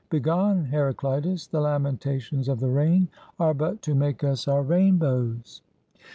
Begone, Heraclitus! The lamentations of the rain are but to make us our rainbows!